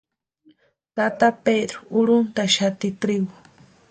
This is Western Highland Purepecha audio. Tata Pedru urhuntʼaxati trigu.